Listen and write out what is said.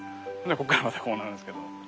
こっからまたこうなるんですけど。